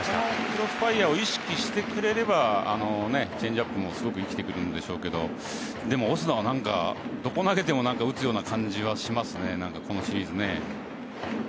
クロスファイヤーを意識してくれればチェンジアップもすごく生きてくるんでしょうけどでもオスナはどこに投げても打つような感じはしますね。